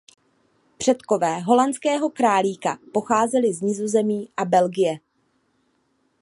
Předkové holandského králíka pocházeli z Nizozemí a Belgie.